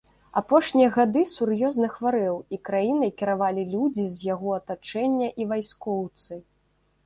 Апошнія гады сур'ёзна хварэў, і краінай кіравалі людзі з яго атачэння і вайскоўцы.